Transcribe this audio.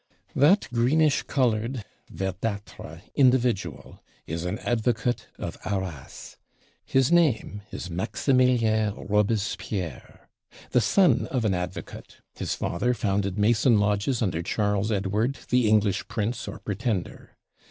That greenish colored (verdâtre) individual is an Advocate of Arras; his name is Maximilien Robespierre. The son of an Advocate; his father founded Mason lodges under Charles Edward, the English Prince or Pretender.